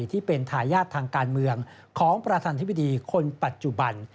ที่เป็นทายาททางการเมืองของประธานธิบดีคนปัจจุบัน